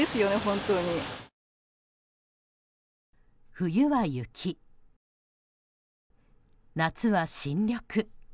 冬は雪、夏は新緑。